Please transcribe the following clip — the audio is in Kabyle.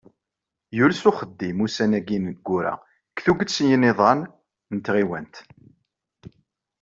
Yules uxeddim, ussan-agi ineggura, deg tuget n yinidan n tɣiwant.